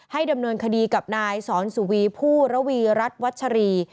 ดำเนินคดีกับนายสอนสุวีผู้ระวีรัฐวัชรี